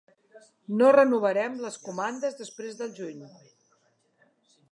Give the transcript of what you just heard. No renovarem les comandes després del juny.